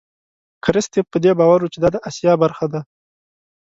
کرستیف په دې باور و چې دا د آسیا برخه ده.